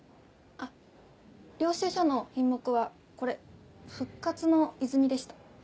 あっ領収書の品目はこれ「復活の泉」でした。